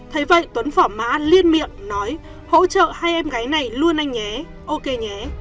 thế vậy tuấn phỏ má liên miệng nói hỗ trợ hai em gái này luôn anh nhé ok nhé